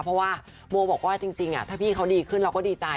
เพราะว่าโบบอกว่าจริงถ้าพี่เขาดีขึ้นเราก็ดีใจ